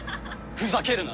ふざけるな！